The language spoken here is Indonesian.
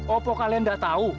apa kalian gak tahu